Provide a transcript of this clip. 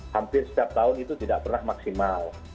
hampir setiap tahun itu tidak pernah maksimal